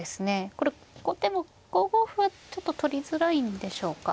これ後手も５五歩はちょっと取りづらいんでしょうか。